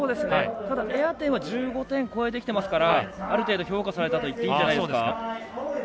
ただ、エア点は１５点を超えてきてますからある程度、評価されたといっていいんじゃないですか。